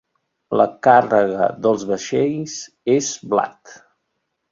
La càrrega dels vaixells és blat.